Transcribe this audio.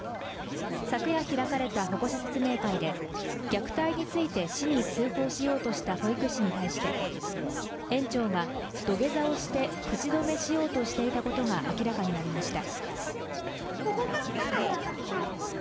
昨夜開かれた保護者説明会で虐待について市に通報しようとした保育士に対して園長が土下座をして口止めしようとしていたことが明らかになりました